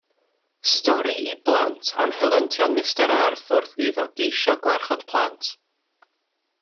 Stori i blant am helyntion Mr Arth wrth iddo geisio gwarchod plant.